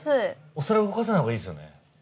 お皿動かさないほうがいいですよね？